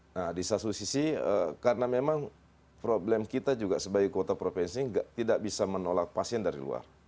nah di satu sisi karena memang problem kita juga sebagai kota provinsi tidak bisa menolak pasien dari luar